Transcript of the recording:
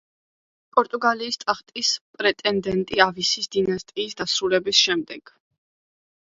პორტუგალიის ტახტის პრეტენდენტი ავისის დინასტიის დასრულების შემდეგ.